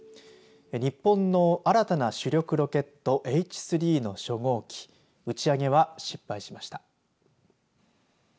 日本の新たな主力ロケットＨ３の初号機打ち上げは失敗しました。